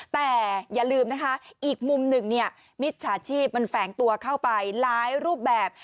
แต่อย่าลืมนะคะอีกมุมหนึ่งเนี่ยมิจฉาชีพมันแฝงตัวเข้าไปหลายรูปแบบ